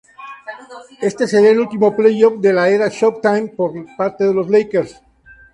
Este sería el último playoff, de la era "Showtime", por parte de los Lakers.